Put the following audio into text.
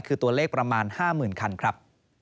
คือตัวเลขประมาณ๕๐๐๐คันครับ